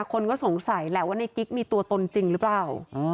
คนก็สงสัยแหละว่าในกิ๊กมีตัวตนจริงหรือเปล่า